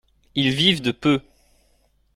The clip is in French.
Ils vivent de peu.